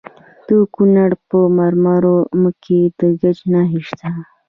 د کونړ په مروره کې د ګچ نښې شته.